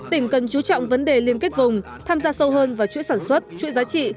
tỉnh cần chú trọng vấn đề liên kết vùng tham gia sâu hơn vào chuỗi sản xuất chuỗi giá trị